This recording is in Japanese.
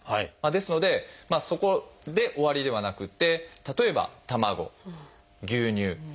ですのでそこで終わりではなくて例えば卵牛乳ヨーグルト